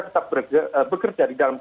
tetap bekerja di dalam